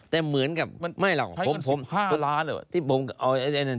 แต่เหมือนกับใช้เงิน๑๕ล้านเหรอ